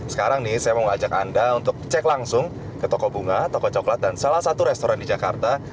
sekarang nih saya mau ngajak anda untuk cek langsung ke toko bunga toko coklat dan salah satu restoran di jakarta